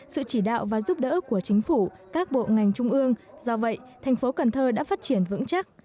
sự chỉ đạo và giúp đỡ của chính phủ các bộ ngành trung ương do vậy thành phố cần thơ đã phát triển vững chắc